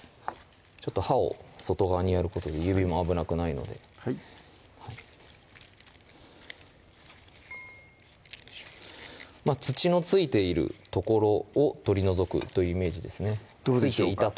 ちょっと刃を外側にやることで指も危なくないので土の付いている所を取り除くというイメージですねどうでしょうか？